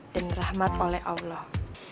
dan rahmat oleh allah